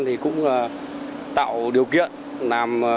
thì cũng tạo điều kiện